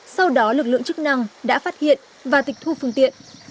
sau đó lực lượng chức năng đã phát hiện và tịch thu phương tiện